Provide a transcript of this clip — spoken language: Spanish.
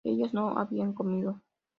Ellas no habían comido